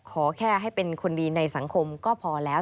ขอแค่ให้เป็นคนดีในสังคมก็พอแล้ว